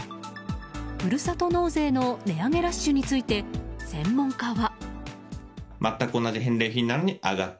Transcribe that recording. ふるさと納税の値上げラッシュについて専門家は。